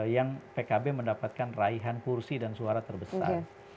yang pkb mendapatkan raihan kursi dan suara terbesar